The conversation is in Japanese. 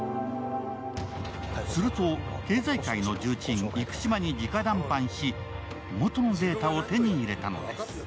すると経済界の重鎮・生島にじか談判し、元のデータを手に入れたのです。